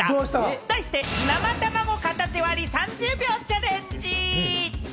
題して、生たまご片手割り３０秒チャレンジ！